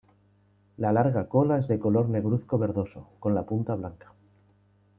La larga cola es de color negruzco verdoso, con la punta blanca.